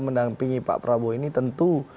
mendampingi pak prabowo ini tentu